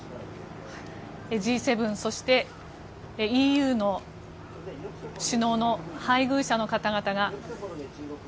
Ｇ７、そしてＥＵの首脳の配偶者の方々が。